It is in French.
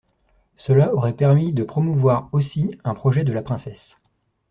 Cela aurait permis de promouvoir aussi un projet de la princesse.